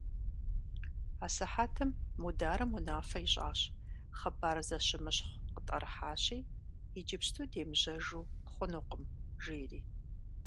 А сыхьэтым Мударым унафэ ищӀащ: «Хъыбар зэщымыщхъу къытӀэрыхьащи, иджыпсту демыжьэжу хъунукъым», – жери.